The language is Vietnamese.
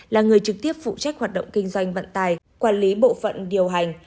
là người trực tiếp phụ trách hoạt động kinh doanh vận tài quản lý bộ phận điều hành